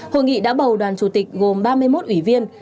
hội nghị đã bầu đoàn chủ tịch gồm ba mươi một ủy viên